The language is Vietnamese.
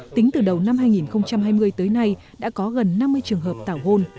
tính từ đầu năm hai nghìn hai mươi tới nay đã có gần năm mươi trường hợp tảo hôn